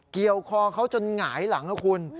เกี่ยวคอเขาจนหงายหลังนะคุณ